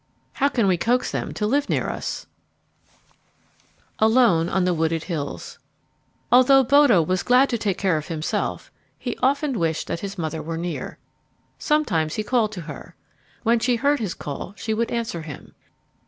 How can we coax them to live near us? [Illustration: "The bear started up and growled"] Alone on the Wooded Hills Although Bodo was glad to take care of himself, he often wished that his mother were near. Sometimes he called to her. When she heard his call she would answer him.